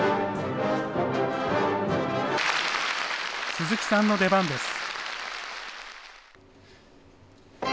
鈴木さんの出番です。